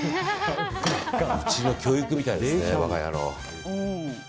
うちの教育みたいですね我が家の。